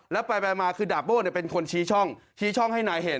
แล้วแปลไปมาคือดาบโบนี่เป็นคนชี้ช่อง